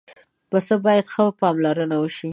پسه باید ښه پاملرنه وشي.